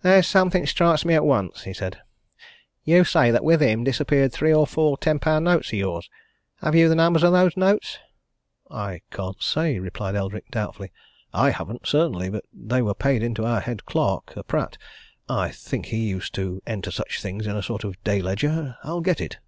"There's something strikes me at once," he said. "You say that with him disappeared three or four ten pound notes of yours. Have you the numbers of those notes?" "I can't say," replied Eldrick, doubtfully. "I haven't, certainly. But they were paid in to our head clerk, Pratt, and I think he used to enter such things in a sort of day ledger. I'll get it."